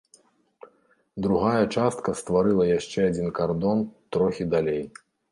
Другая частка стварыла яшчэ адзін кардон трохі далей.